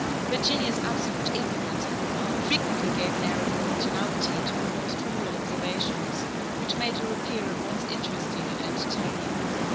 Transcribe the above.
Virginia's absolute ignorance of the world frequently gave an air of originality to her most trivial observations, which made her appear at once interesting and entertaining.